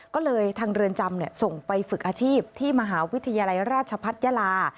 ก็เลยทางเรือนจำส่งไปฝึกอาชีพที่มหาวิทยาลัยราชพัฒนยาลา